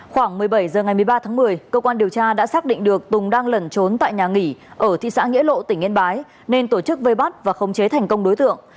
khoảng một mươi bảy giờ ngày một mươi ba tháng một mươi công an tỉnh phú thọ đã xác định được tùng đang lẩn trốn tại nhà nghỉ ở thị xã nghĩa lộ tỉnh yên bái nên tổ chức vây bắt và khống chế thành công đối tượng